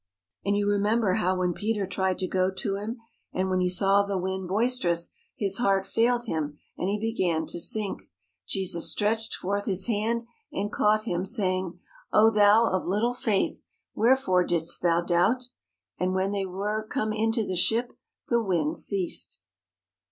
And you remember how when Peter tried to go to Him, and when he saw the wind boisterous, his heart failed him and he began to sink, Jesus stretched forth His hand and caught him, saying: "O thou of little 191 THE HOLY LAND AND SYRIA faith, wherefore didst thou doubt?" And when they were come into the ship the wind ceased.